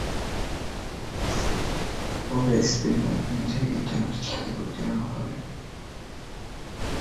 পরে স্পিলবার্গ নিজেই এই চলচ্চিত্রটি পরিচালনা করেন।